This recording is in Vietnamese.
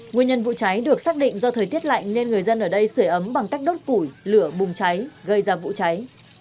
nguyên nhân vụ cháy được xác định do thời tiết lạnh nên người dân ở đây sửa ấm bằng cách đốt củi lửa bùng cháy gây ra vụ cháy